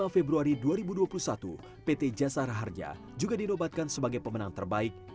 dua puluh februari dua ribu dua puluh satu pt jasara harja juga dinobatkan sebagai pemenang terbaik